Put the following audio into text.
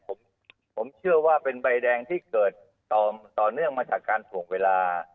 ผมเชื่อว่าเป็นใบแดงที่เกิดต่อเนื่องมาจากการถ่วงเวลา